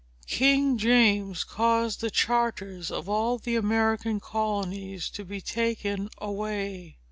King James caused the charters of all the American colonies to be taken away.